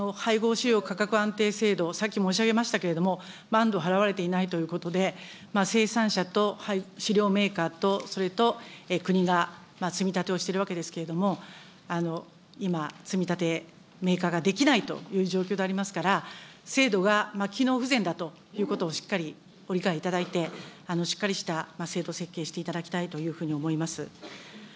飼料価格安定制度、さっき申し上げましたけれども、払われていないということで、生産者と飼料メーカーとそれと国が積み立てをしているわけですけれども、今、積み立て、メーカーができないという状況でありますから、制度が機能不全だということをしっかりご理解いただいて、しっかりした制度設計をしていただきたいというふうに思います。